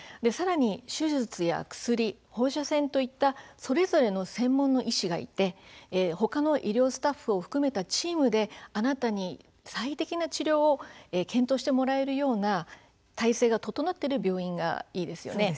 手術、薬、放射線それぞれの専門の医師がいて他の医療スタッフを含めたチームで、あなたに最適な治療を検討してもらえるような体制が整っている病院がいいですよね。